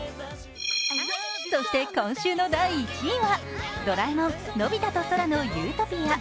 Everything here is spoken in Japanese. そして、今週の第１位は「ドラえもんのび太と空のユートピア」。